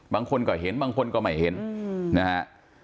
บางคนก็เห็นบางคนก็ไม่เห็นนะฮะ